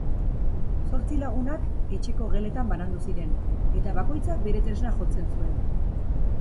Zortzi lagunak etxeko geletan banandu ziren, eta bakoitzak bere tresna jotzen zuen.